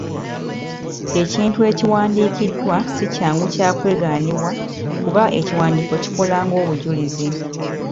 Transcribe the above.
Ekintu ekiwandiikiddwa si kyangu kya kwegaanibwa, kuba ekiwandiiko kikola ng'obujulizi.